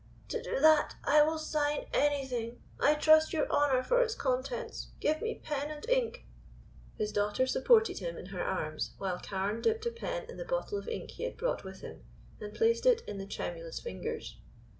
"To do that I will sign anything. I trust your honor for its contents. Give me pen and ink." His daughter supported him in her arms, while Carne dipped a pen in the bottle of ink he had brought with him and placed it in the tremulous fingers.